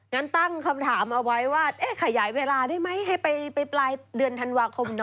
งั้นตั้งคำถามเอาไว้ว่าขยายเวลาได้ไหมให้ไปปลายเดือนธันวาคมนะ